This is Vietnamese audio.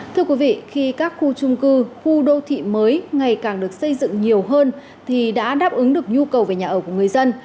thưa quý vị khi các khu trung cư khu đô thị mới ngày càng được xây dựng nhiều hơn thì đã đáp ứng được nhu cầu về nhà ở của người dân